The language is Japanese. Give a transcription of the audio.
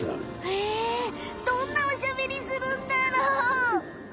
へえどんなおしゃべりするんだろう。